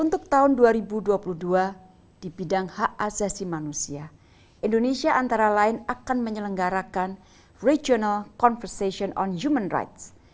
untuk tahun dua ribu dua puluh dua di bidang hak asasi manusia indonesia antara lain akan menyelenggarakan regional conversation on human rights